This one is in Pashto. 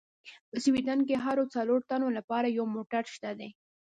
په سویډن کې د هرو څلورو تنو لپاره یو موټر شته دي.